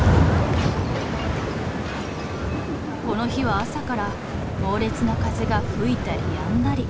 この日は朝から猛烈な風が吹いたりやんだり。